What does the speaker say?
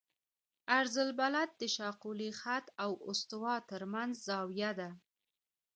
عرض البلد د شاقولي خط او استوا ترمنځ زاویه ده